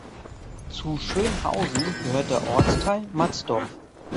Zu Schönhausen gehört der Ortsteil Matzdorf.